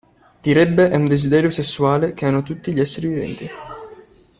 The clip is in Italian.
Direbbe è un desiderio sessuale che hanno tutti gli esseri viventi.